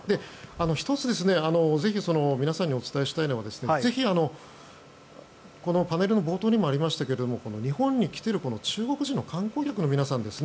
１つぜひ、皆さんにお伝えしたいのはぜひ、このパネルの冒頭にもありましたが日本に来ている中国人の観光客の皆さん